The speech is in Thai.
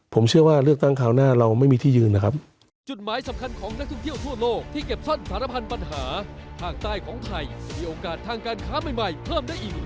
ผมเชื่อว่าเลือกตั้งคราวหน้าเราไม่มีที่ยืนนะครับ